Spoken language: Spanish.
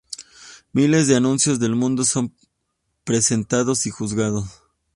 Miles de anuncios del mundo son presentados y juzgados.